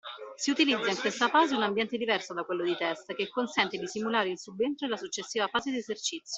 Si utilizza in questa fase un ambiente diverso da quello di test, che consente di simulare il subentro e la successiva fase di esercizio.